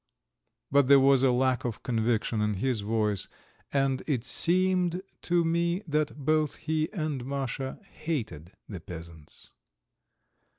But there was a lack of conviction in his voice, and it seemed to me that both he and Masha hated the peasants.